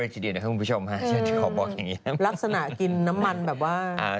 ลักษณะกินน้ำมันแบบว่า